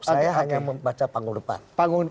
saya hanya membaca panggung depan